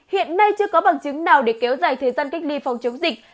hiện nay chưa có bằng chứng nào để kéo dài thời gian cách ly phòng chống dịch